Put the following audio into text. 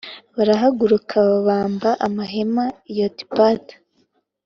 Barahaguruka babamba amahema i Yotibata